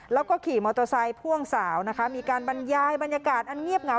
แล้วก็ขี่มอเตอร์ไซค์พ่วงสาวนะคะมีการบรรยายบรรยากาศอันเงียบเหงา